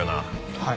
はい。